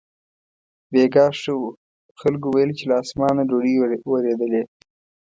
بېګاه ښه و، خلکو ویل چې له اسمانه ډوډۍ ورېدلې.